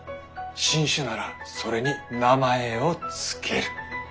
新種ならそれに名前を付ける。